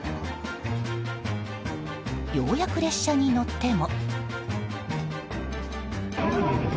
ようやく列車に乗っても。